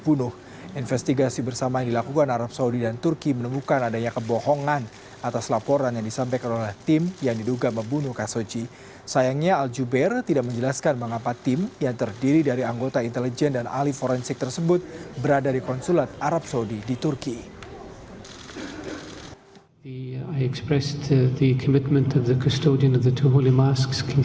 pemerintah al jubeir tidak menjelaskan mengapa tim yang terdiri dari anggota intelijen dan ahli forensik tersebut berada di konsulat arab saudi di turki